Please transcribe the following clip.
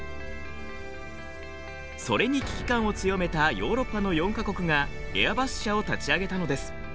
それに危機感を強めたヨーロッパの４か国がエアバス社を立ち上げたのです。